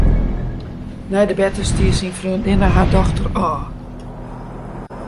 Nei de berte stie syn freondinne har dochter ôf.